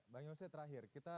bang yose terakhir kita